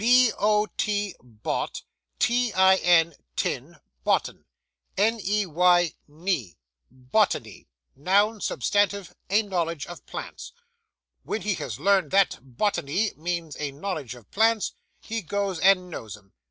B o t, bot, t i n, tin, bottin, n e y, ney, bottinney, noun substantive, a knowledge of plants. When he has learned that bottinney means a knowledge of plants, he goes and knows 'em.